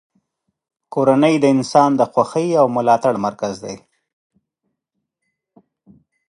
کورنۍ د انسان د خوښۍ او ملاتړ مرکز دی.